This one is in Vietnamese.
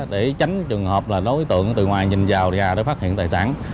để tránh trường hợp là đối tượng từ ngoài nhìn vào rìa để phát hiện tài sản